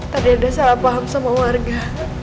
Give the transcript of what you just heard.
tadi ada salah paham sama warga